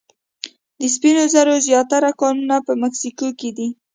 د سپینو زرو زیاتره کانونه په مکسیکو کې دي.